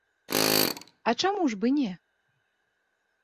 А чаму ж бы не?